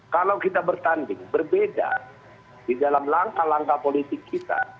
kalau kita bertanding berbeda di dalam langkah langkah politik kita